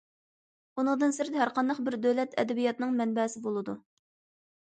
ئۇنىڭدىن سىرت، ھەر قانداق بىر دۆلەت ئەدەبىياتىنىڭ مەنبەسى بولىدۇ.